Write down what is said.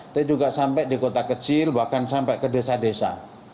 tapi juga sampai di kota kecil bahkan sampai ke desa desa